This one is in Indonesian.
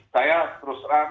saya terus terang